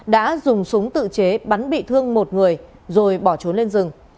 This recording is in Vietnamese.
đã dùng súng tự chế bắn bị thương một người rồi bỏ trốn lên rừng